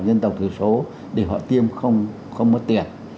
dân tộc thiểu số để họ tiêm không mất tiền